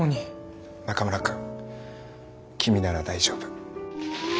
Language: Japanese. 中村くん君なら大丈夫。